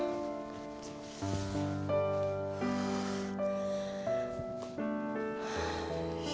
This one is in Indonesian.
kita disebut sakit